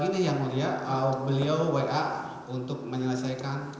ini yang mulia beliau wa untuk menyelesaikan